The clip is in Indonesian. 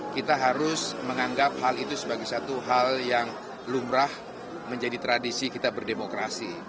kita harus menganggap hal itu sebagai satu hal yang lumrah menjadi tradisi kita berdemokrasi